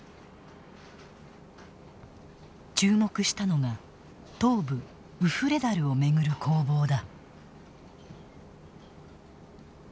注目したのが東部ウフレダルを巡る攻防だ。